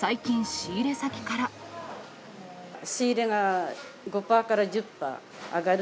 仕入れが５％から１０％上がる。